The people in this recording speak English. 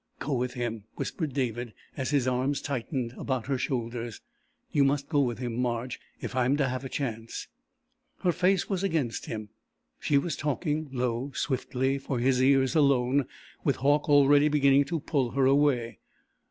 "Go with him," whispered David, as her arms tightened about his shoulders. "You must go with him, Marge if I am to have a chance!" Her face was against him. She was talking, low, swiftly, for his ears alone with Hauck already beginning to pull her away.